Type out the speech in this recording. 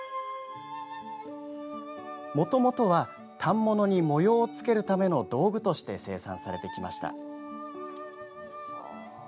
もともとは、反物に模様をつけるための道具として生産されてきました。